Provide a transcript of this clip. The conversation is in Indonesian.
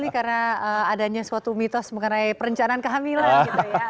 karena adanya suatu mitos mengenai perencanaan kehamilan gitu ya